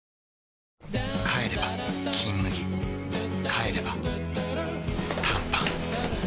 帰れば「金麦」帰れば短パン